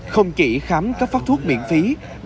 không chỉ khám các phát thuốc miễn phí